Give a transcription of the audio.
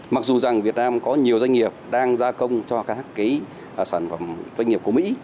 mặc dù rằng việt nam có nhiều doanh nghiệp đang gia công cho các cái sản phẩm doanh nghiệp của mỹ